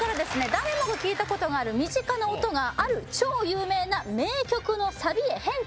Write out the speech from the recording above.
誰もが聞いたことがある身近な音がある超有名な名曲のサビへ変化していきます